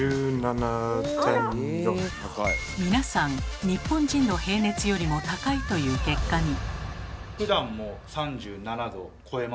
皆さん日本人の平熱よりも高いという結果に。